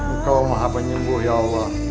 engkau maha penyembuh ya allah